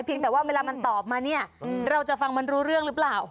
แต่ว่าเวลามันตอบมาเนี่ยเราจะฟังมันรู้เรื่องหรือเปล่า